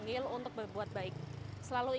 t garbage kikuk gimana t garbage kawin